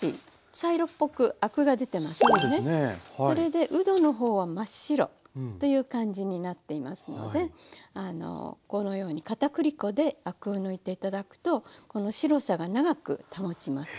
それでうどの方は真っ白という感じになっていますのであのこのようにかたくり粉でアクを抜いて頂くとこの白さが長く保ちます。